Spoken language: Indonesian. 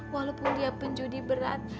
walaupun dia penjudi berat